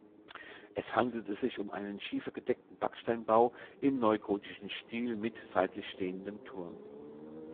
Es handelte sich um einen schiefergedeckten Backsteinbau im neugotischen Stil mit seitlich stehendem Turm.